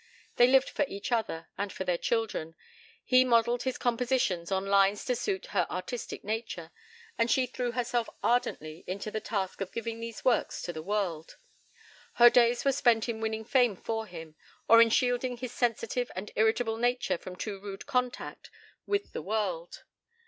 They lived for each other, and for their children. He modelled his compositions on lines to suit her artistic nature, and she threw herself ardently into the task of giving these works to the world. Her days were spent in winning fame for him, or in shielding his sensitive and irritable nature from too rude contact with the world.